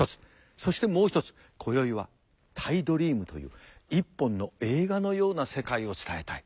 そしてもう一つ今宵はタイドリームという一本の映画のような世界を伝えたい。